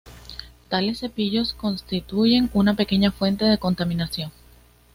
Tales cepillos constituyen una pequeña fuente de contaminación.